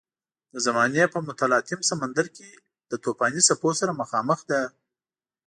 د زمانې په متلاطم سمندر کې له توپاني څپو سره مخامخ ده.